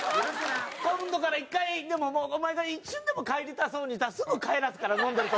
今度から一回でももうお前が一瞬でも帰りたそうにしたらすぐ帰らすから飲んでる時。